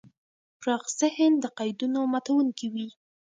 پراخ ذهن د قیدونو ماتونکی وي.